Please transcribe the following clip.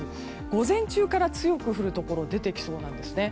午前中から強く降るところ出てきそうなんです。